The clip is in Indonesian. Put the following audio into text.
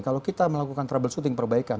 kalau kita melakukan troubleshooting perbaikan